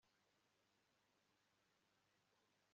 ni iki kibaye uyu munsi